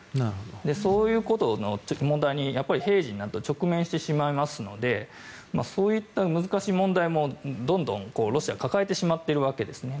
そういうことの問題に平時になると直面してしまいますのでそういった難しい問題もどんどんロシアは抱えてしまっているわけですね。